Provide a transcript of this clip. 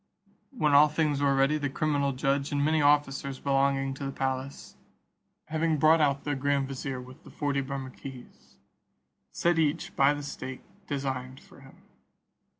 When all things were ready, the criminal judge, and many officers belonging to the palace, having brought out the grand vizier with the forty Bermukkees, set each by the stake designed for him.